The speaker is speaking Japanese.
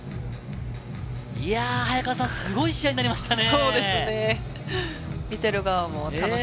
早川さん、すごい試合になりましたね。